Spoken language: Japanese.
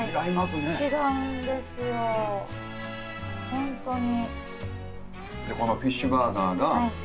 本当に。